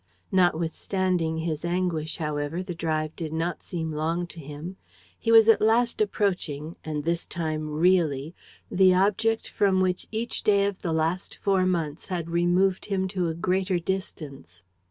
Notwithstanding his anguish, however, the drive did not seem long to him. He was at last approaching and this time really the object from which each day of the last four months had removed him to a greater distance.